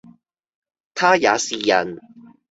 他也是人，